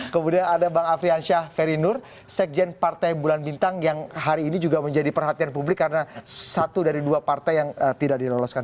kemudian ada bang afriansyah ferry nur sekjen partai bulan bintang yang hari ini juga menjadi perhatian publik karena satu dari dua partai yang tidak diloloskan